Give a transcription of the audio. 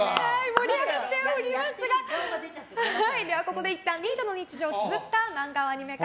盛り上がっておりますがここでいったんニートの日常をつづった漫画をアニメ化